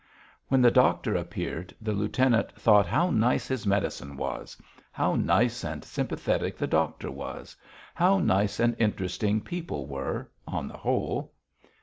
When the doctor appeared the lieutenant thought how nice his medicine was, how nice and sympathetic the doctor was, how nice and interesting people were, on the whole.